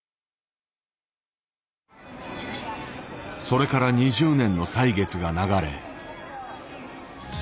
それから２０年の歳月が流れ。